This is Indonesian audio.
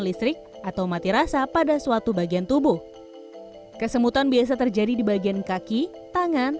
listrik atau mati rasa pada suatu bagian tubuh kesemutan biasa terjadi di bagian kaki tangan